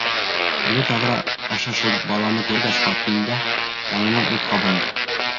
Әле тәҙрә аша шул «баланы» күргәс, ҡатында яңынан ут ҡабынды.